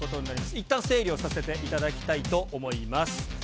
いったん整理をさせていただきたいと思います。